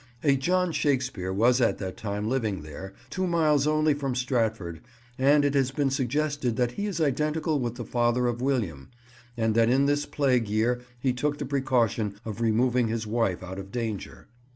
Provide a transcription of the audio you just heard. A John Shakespeare was at that time living there, two miles only from Stratford, and it has been suggested that he is identical with the father of William, and that in this plague year he took the precaution of removing his wife out of danger.